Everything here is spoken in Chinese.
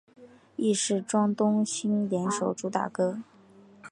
亦是庄冬昕联手主打歌。